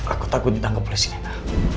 aku takut ditangkep oleh sinina